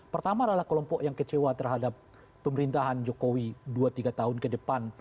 pertama adalah kelompok yang kecewa terhadap pemerintahan jokowi dua tiga tahun ke depan